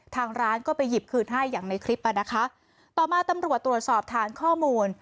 ทางร้านก็ไปหยิบคืนให้อย่างในคลิปอ่ะนะคะต่อมาตำรวจตรวจสอบฐานข้อมูล